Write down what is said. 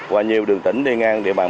và nhiều đường tỉnh đi ngang điện thoại